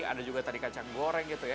ada juga tadi kacang goreng gitu ya